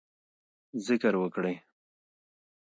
ذکر وکړئ